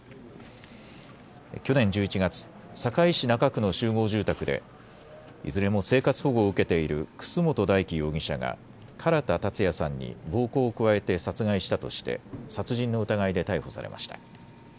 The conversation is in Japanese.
去年１１月、堺市中区の集合住宅でいずれも生活保護を受けている楠本大樹容疑者が唐田健也さんに暴行を加えて殺害したとして殺人の疑いで逮捕されました。